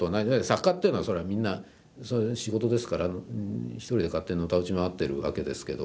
作家っていうのはそれはみんなそれが仕事ですから一人で勝手にのたうち回ってるわけですけど。